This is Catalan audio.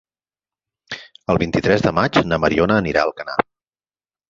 El vint-i-tres de maig na Mariona anirà a Alcanar.